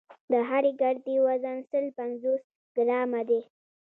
د هرې ګردې وزن سل پنځوس ګرامه دی.